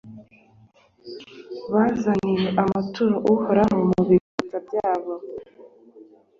bazaniye amaturo Uhoraho mu biganza byabo,